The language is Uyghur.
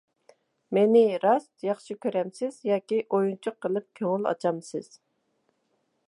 مېنى راست ياخشى كۆرەمسىز ياكى ئويۇنچۇق قىلىپ كۆڭۈل ئاچامسىز؟